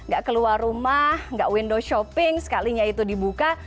gak keluar rumah nggak window shopping sekalinya itu dibuka